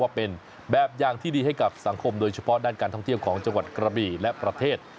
เป็นแบบอย่างที่ดีให้กับสังคมโดยเฉพาะด้านการท่องเที่ยวของจังหวัดกระบีและประเทศ